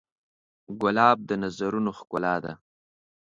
ګلاب د نظرونو ښکلا ده.